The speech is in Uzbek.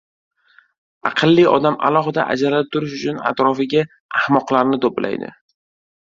— Aqlli odam alohida ajralib turish uchun atrofiga ahmoqlarni to‘playdi.